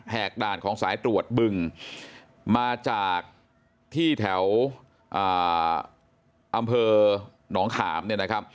กด่านของสายตรวจบึงมาจากที่แถวอำเภอหนองขามเนี่ยนะครับ